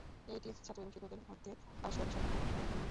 এটি ছাত্র এবং শিক্ষকের মধ্যে পারস্পরিক সম্পর্ক ও বিনিময়ের রূপ।